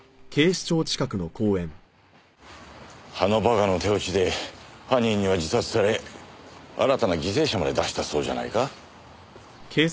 あのバカの手落ちで犯人には自殺され新たな犠牲者まで出したそうじゃないか。